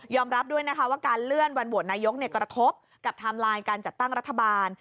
รับด้วยนะคะว่าการเลื่อนวันโหวตนายกกระทบกับไทม์ไลน์การจัดตั้งรัฐบาล